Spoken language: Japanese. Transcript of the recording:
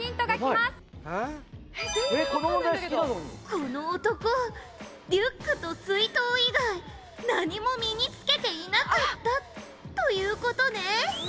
「この男リュックと水筒以外何も身につけていなかったという事ね」